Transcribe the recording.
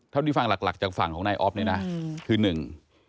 เท่าที่ฟังหลักหลักจากฝั่งของนายอ๊อฟเนี่ยนะคือหนึ่ง